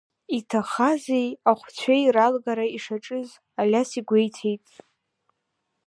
Иҭахази ахәцәеи ралгара ишаҿыз Алиас игәеиҭеит.